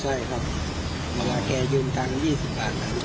ใช่ครับเพราะว่าแกยืมตังค์๒๐บาทครับ